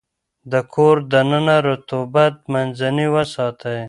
د کور دننه رطوبت منځنی وساتئ.